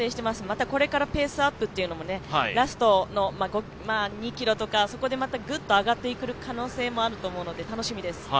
またこれからペースアップも、ラストの２ｋｍとかそこでまたぐっと上がってくる可能性もあると思うので楽しみです。